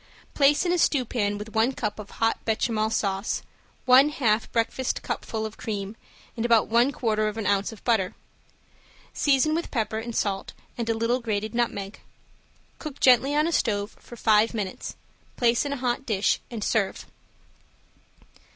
Place in a stewpan with one cup of hot bechamel sauce, one half breakfast cupful of cream and about one quarter of an ounce of butter. Season with pepper and salt and a little grated nutmeg. Cook gently on a stove for five minutes, place in a hot dish and serve.